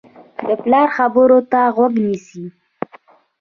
د پلار خبرو ته غوږ نیسي.